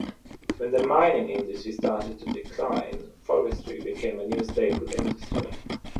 When the mining industry started to decline, forestry became a new staple industry.